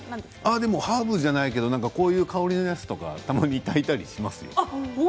ハーブじゃないけどこういう香りのやつとかたまに、たいたりしますよ。